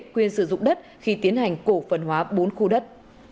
quyền sử dụng đất khi tiến hành cổ phần hóa bốn khu đất